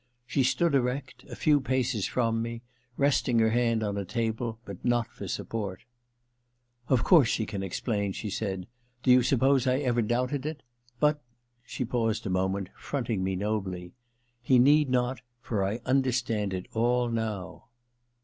She stood erect, a few paces from me, resting her hand on a table, but not for support. * Of course he can explain,' she said ;* do you suppose I ever doubted it ? But '— ^she paused a moment, fronting me nobly —* he need not, for I understand it all now.'